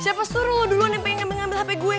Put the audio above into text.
siapa suruh lu duluan yang pengen ngambil hp gue